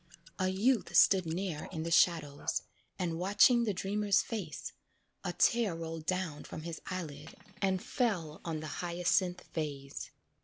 A youth stood near in the shadows, And watching the dreamer's face, A tear rolled down from his eyelid And fell on the hyacinth vase.